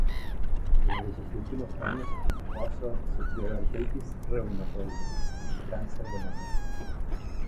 Durante sus últimos años, Russell sufrió de artritis reumatoide y cáncer de mama.